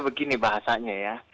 begini bahasanya ya